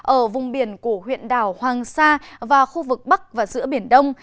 ở vùng biển của huyện đảo hoàng sa và khu vực bắc và giữa biển đông